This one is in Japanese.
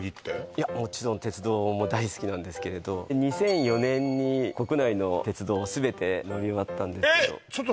いやもちろん鉄道も大好きなんですけれど２００４年に国内の鉄道は全て乗り終わったんですけどえっ